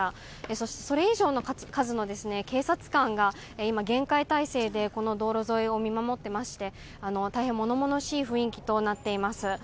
そして、それ以上の数の警察官が今、厳戒態勢でこの道路沿いを見守っていまして大変物々しい雰囲気となっています。